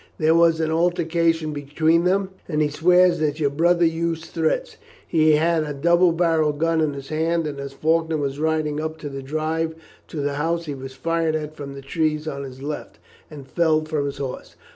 There was an altercation between them, and he swears that your brother used threats. He had a double barrelled gun in his hand, and as Faulkner was riding up the drive to the house he was fired at from the trees on his left, and fell from his horse.